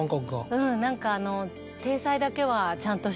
うん何かあの。